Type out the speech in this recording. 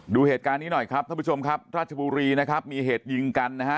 ดูเหตุการณ์นี้หน่อยครับท่านผู้ชมครับราชบุรีนะครับมีเหตุยิงกันนะฮะ